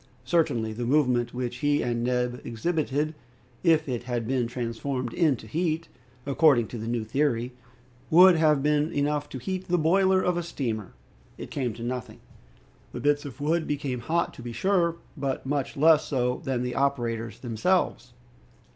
Certainly, the movement which he and Neb exhibited, if it had been transformed into heat, according to the new theory, would have been enough to heat the boiler of a steamer! It came to nothing. The bits of wood became hot, to be sure, but much less so than the operators themselves.